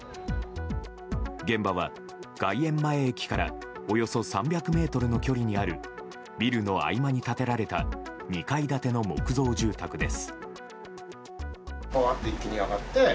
現場は外苑前駅からおよそ３００ｍの距離にあるビルの合間に建てられた２階建ての木造住宅です。